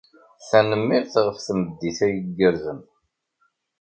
Tanemmirt ɣef tmeddit-a igerrzen.